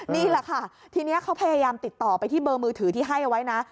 นี่แหละค่ะทีนี้เขาพยายามติดต่อไปที่เบอร์มือถือที่ให้เอาไว้นะ